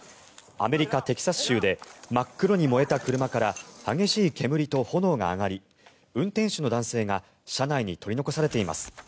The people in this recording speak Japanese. アメリカ・テキサス州で真っ黒に燃えた車から激しい煙と炎が上がり運転手の男性が車内に取り残されています。